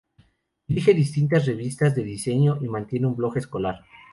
Dirige distintas revistas de diseño y mantiene un blog escolar.